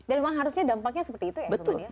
dan memang harusnya dampaknya seperti itu ya